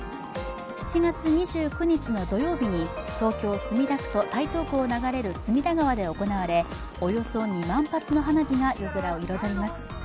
７月２９日の土曜日に東京・墨田区と台東区を流れる隅田川で行われおよそ２万発の花火が夜空を彩ります。